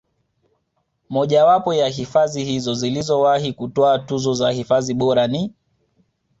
Mojawapo ya hifadhi hizo zilizowahi kutwaa tuzo za hifadhi bora ni